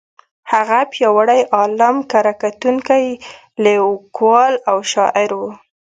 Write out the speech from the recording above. هغه پیاوړی عالم، کره کتونکی، لیکوال او شاعر و.